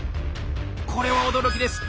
これは驚きです。